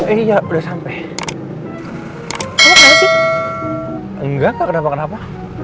iya udah sampai enggak enggak kenapa kenapa